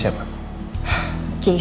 selama ini minta duit